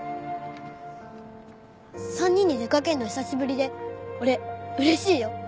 ３人で出かけるの久しぶりで俺嬉しいよ。